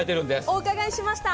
お伺いしました。